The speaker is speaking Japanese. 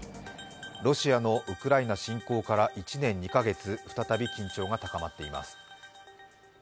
ロシアのウクライナ侵攻から１年２か月、再び緊張が高まっています。